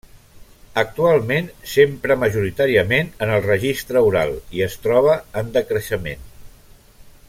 Actualment s'empra majoritàriament en el registre oral i es troba en decreixement.